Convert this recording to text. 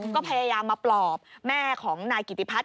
ก็พยายามมาปลอบแม่ของนายกิติพัฒน